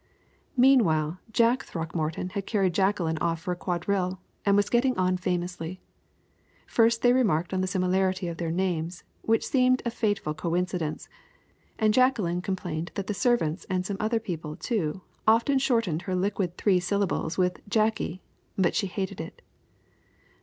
Meanwhile Jack Throckmorton had carried Jacqueline off for a quadrille, and was getting on famously. First they remarked on the similarity of their names, which seemed a fateful coincidence, and Jacqueline complained that the servants and some other people, too, often shortened her liquid three syllables with "Jacky," but she hated it.